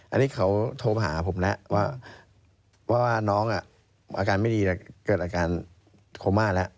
อันนี้เขาโทรมาหาผมแล้วว่าน้องอาการไม่ดีแต่เกิดอาการโคม่าแล้ว